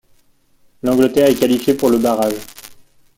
L'Angleterre est qualifiée pour le barrage.